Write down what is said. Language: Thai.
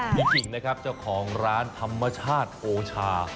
จริงนะครับเจ้าของร้านธรรมชาติโอชา